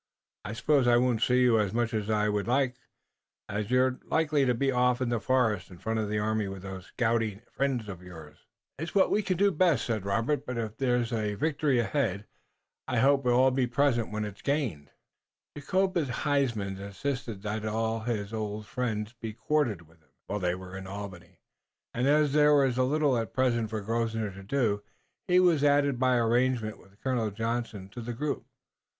I suppose I won't see as much of you as I would like, as you're likely to be off in the forest in front of the army with those scouting friends of yours." "It's what we can do best," said Robert, "but if there's a victory ahead I hope we'll all be present when it's gained." Jacobus Huysman insisted that all his old friends be quartered with him, while they were in Albany, and as there was little at present for Grosvenor to do, he was added by arrangement with Colonel Johnson to the group.